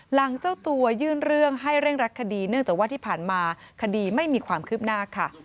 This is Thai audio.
หลังเจ้าตัวยื่นเรื่องให้เร่งรักคดีเนื่องจากว่าที่ผ่านมาคดีไม่มีความคืบหน้าค่ะ